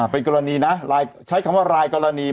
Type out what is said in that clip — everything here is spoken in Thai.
เป็นกรณีนะใช้คำว่ารายกรณี